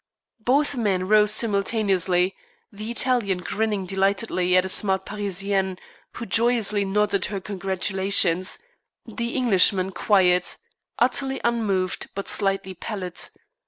Both men rose simultaneously, the Italian grinning delightedly at a smart Parisienne, who joyously nodded her congratulations, the Englishman quiet, utterly unmoved, but slightly pallid.